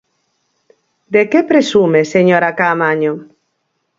¿De que presume, señora Caamaño?